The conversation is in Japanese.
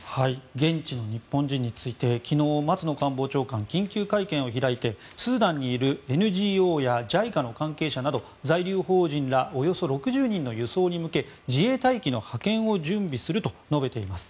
現地の日本人について昨日、松野官房長官は緊急会見を開いてスーダンにいるＮＧＯやＪＩＣＡの関係者など在留邦人らおよそ６０人の輸送に向け、自衛隊機の派遣を準備すると述べています。